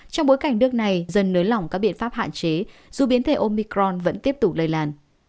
trong bối cảnh nước này dần nới lỏng các biện pháp hạn chế dù biến thể omicron vẫn tiếp tục lây lan